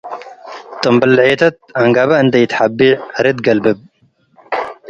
ጥምብልዔተት አንገበ እንዴ ኢትሐቤዕ አርድ ትገልብብ።